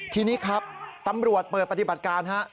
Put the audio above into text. ทีนี้ครับตำรวจเปิดปฏิบัติการฮะ